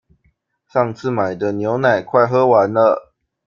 上次買的牛奶快喝完了